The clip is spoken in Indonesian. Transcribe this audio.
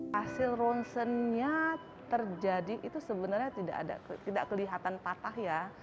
hasil ronsennya terjadi itu sebenarnya tidak kelihatan patah ya